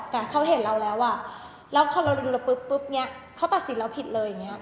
แต่เขาเห็นเราแล้วอ่ะแล้วเขารู้แล้วปึ๊บเนี้ยเขาตัดสินเราผิดเลยเนี้ย